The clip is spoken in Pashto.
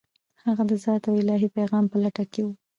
هغه د ذات او الهي پیغام په لټه کې و.